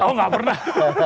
oh gak pernah